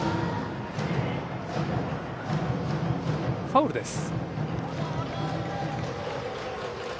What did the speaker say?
ファウルです。